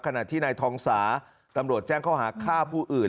ขณะที่นายทองสาตำรวจแจ้งข้อหาฆ่าผู้อื่น